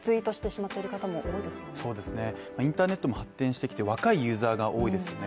インターネットも発展してきて若いユーザーが多いですよね